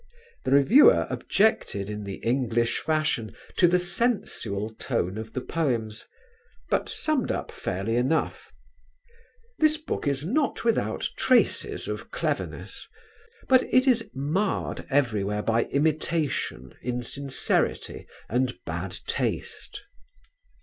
The reviewer objected in the English fashion to the sensual tone of the poems; but summed up fairly enough: "This book is not without traces of cleverness, but it is marred everywhere by imitation, insincerity, and bad taste."